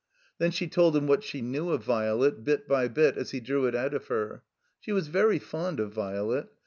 Then she told him what she knew of Violet, bit by bit, as he drew it out of her. She was very fond of Violet.